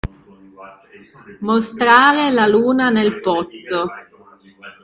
Mostrare la luna nel pozzo.